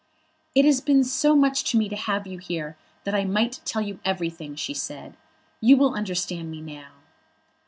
"It has been so much to me to have you here, that I might tell you everything," she said. "You will understand me now."